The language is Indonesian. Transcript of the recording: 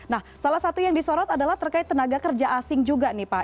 nah salah satu yang disorot adalah terkait tenaga kerja asing juga nih pak